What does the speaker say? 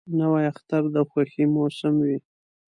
نوی اختر د خوښۍ موسم وي